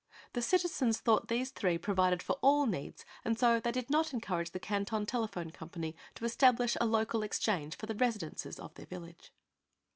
The citizens thought these three provided for all needs and so they did not encourage the Canton telephone company to establish a local exchange for the residences of their village.